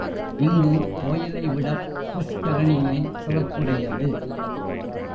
இங்கு கோயிலை விடப் புஷ்கரணியே சிறப்புடையது.